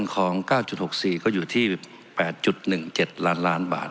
ของ๙๖๔ก็อยู่ที่๘๑๗ล้านล้านบาท